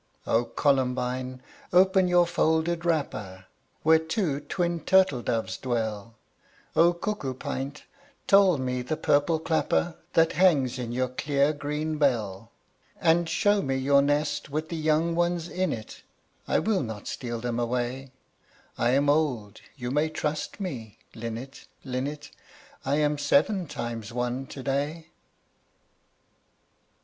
O columbine, open your folded wrapper, Where two twin turtle doves dwell! O cuckoo pint, toll me the purple clapper That hangs in your clear green bell! And show me your nest with the young ones in it; I will not steal them away; I am old! you may trust me, linnet, linnet I am seven times one to day.